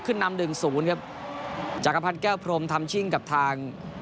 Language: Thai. นำหนึ่งศูนย์ครับจักรพันธ์แก้วพรมทำชิ่งกับทาง